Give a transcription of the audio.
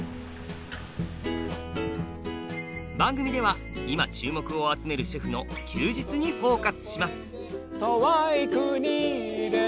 番組では今注目を集めるシェフの「休日」にフォーカスします。